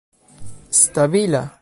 stabila